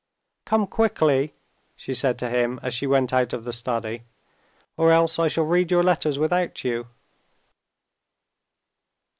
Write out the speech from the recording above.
"Come quickly," she said to him as she went out of the study, "or else I shall read your letters without you."